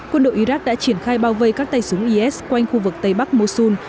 quân đội iraq đã triển khai bao vây các tay súng is quanh khu vực tây bắc mosul